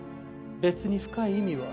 別に深い意味は。